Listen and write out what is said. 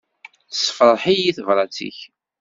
Tessefṛeḥ-iyi tebrat-ik.